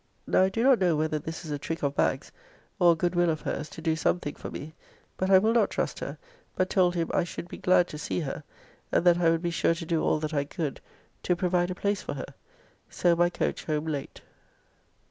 Now I do not know whether this is a trick of Bagge's, or a good will of hers to do something for me; but I will not trust her, but told him I should be glad to see her, and that I would be sure to do all that I could to provide a place for her. So by coach home late.